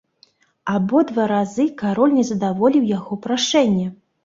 Абодва разы кароль не задаволіў яго прашэнне.